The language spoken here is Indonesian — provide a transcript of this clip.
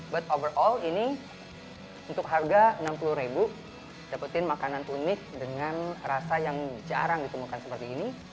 but overall ini untuk harga rp enam puluh dapetin makanan unik dengan rasa yang jarang ditemukan seperti ini